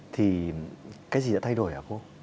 thì cái gì đã thay đổi hả cô